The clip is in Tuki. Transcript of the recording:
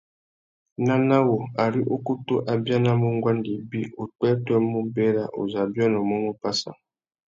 Nana wu, ari ukutu a bianamú nguêndê ibi, upwêpwê mú : Berra uzu a biônômú mú Passa.